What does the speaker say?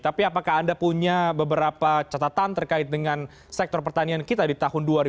tapi apakah anda punya beberapa catatan terkait dengan sektor pertanian kita di tahun dua ribu dua puluh